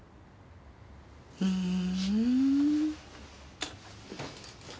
ふん。